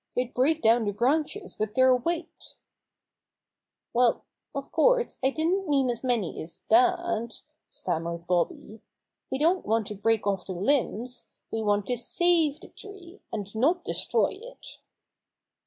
They'd break down the branches with their weight." 62 Bobby Gray Squirrel's Adventures "Well, of course, I didn't mean as many as that," stammered Bobby. "We don't want to break off the limbs. We want to save the tree, and not destroy it."